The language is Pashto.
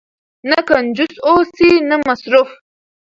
نه کنجوس اوسئ نه مسرف.